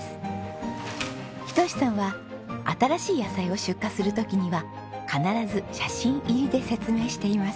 仁さんは新しい野菜を出荷する時には必ず写真入りで説明しています。